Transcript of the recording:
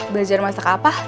belajar masak apa